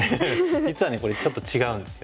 実はねこれちょっと違うんですよね。